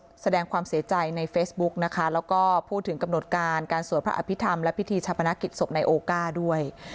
ก็แสดงความเสียใจในเฟซบุ๊กนะคะแล้วก็พูดถึงกำหนดการการสวดพระอภิษฐรรมและพิธีชาปนกิจศพนายโอก้าด้วย